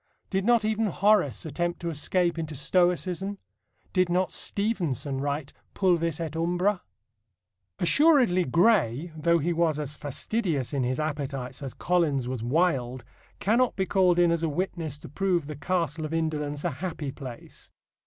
Did not even Horace attempt to escape into Stoicism? Did not Stevenson write Pulvis et Umbra? Assuredly Gray, though he was as fastidious in his appetites as Collins was wild, cannot be called in as a witness to prove the Castle of Indolence a happy place.